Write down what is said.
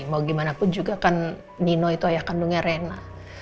mau gimana pun juga kan nino itu ayah kandungnya rena